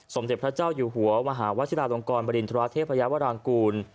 สมเด็จพระเจ้าอยู่หัวมหาวชิลาลงกรบริณฑราเทพยาวรางกูล